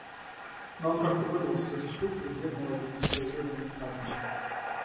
Но он как-то вырвался из их рук и избегнул этой несвоевременной казни.